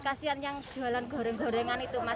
kasian yang jualan goreng gorengan itu mas